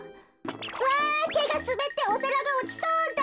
わてがすべっておさらがおちそうだ！